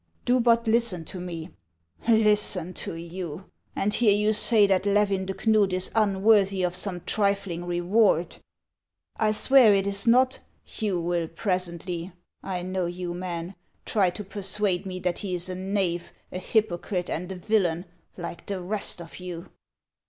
" Do but listen to me — "Listen to you ! and hear you say that Levin de Knud is unworthy of some trilling reward ?"" I swear it is not —"" You will presently — I know you men — try to per suade me that he is a knave, a hypocrite, and a villain, like the rest of you."